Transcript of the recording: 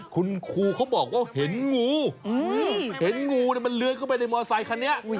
คุณครูเขาบอกว่าเห็นงูมันเลือกเข้าไปในมอเตอร์ไซคันนี้